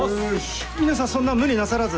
皆さんそんな無理なさらず。